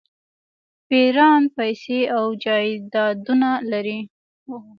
پیران پیسې او جایدادونه لري.